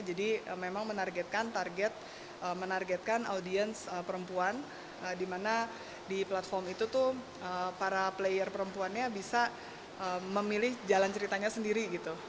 jadi memang menargetkan target menargetkan audiens perempuan di mana di platform itu para player perempuannya bisa memilih jalan ceritanya sendiri